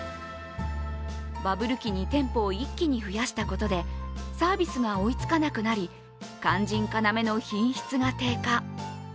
バブル期に店舗を一気に増やしたことでサービスが追いつかなくなり肝心要の品質が低下。